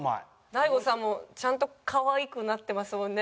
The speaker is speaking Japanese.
大悟さんもちゃんとかわいくなってますもんね